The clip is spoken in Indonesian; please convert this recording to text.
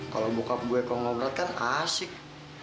kalau bokap gue kau ngobratkan asik